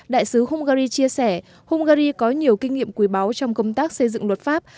đại sứ hungary chia sẻ hungary có nhiều kinh nghiệm quý báu trong công tác xây dựng luật pháp